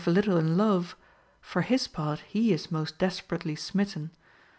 113 little in love, for his part he is most desperately smitten.